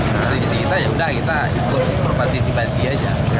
tradisi kita yaudah kita ikut berpartisipasi saja